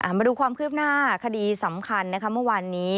มาดูความคืบหน้าคดีสำคัญนะคะเมื่อวานนี้